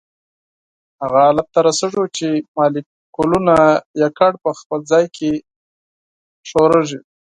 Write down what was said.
هغه حالت ته رسیږو چې مالیکولونه یوازي په خپل ځای کې خوځیږي.